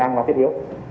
mặt hàng thiết yếu